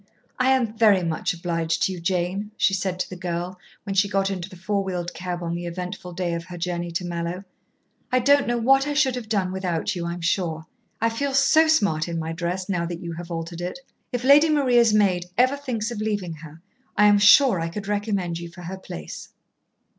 "I am very much obliged to you, Jane," she said to the girl, when she got into the four wheeled cab on the eventful day of her journey to Mallowe. "I don't know what I should have done without you, I'm sure. I feel so smart in my dress now that you have altered it. If Lady Maria's maid ever thinks of leaving her, I am sure I could recommend you for her place."